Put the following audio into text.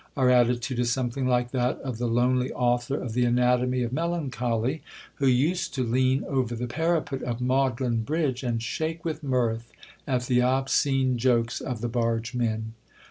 Our attitude is something like that of the lonely author of the Anatomy of Melancholy, who used to lean over the parapet of Magdalen Bridge, and shake with mirth at the obscene jokes of the bargemen.